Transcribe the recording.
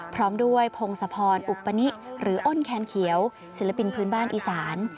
พร้อมด้วยพงศพรอุปนิหรืออ้นแคนเขียวศิลปินพื้นบ้านอีสาน